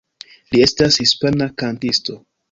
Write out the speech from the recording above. Li estas hispana kantisto.